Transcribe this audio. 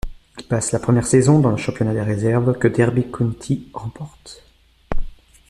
Il passe la première saison dans le championnat des réserves, que Derby County remporte.